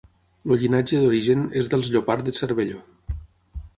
El llinatge d'origen és dels Llopart de Cervelló.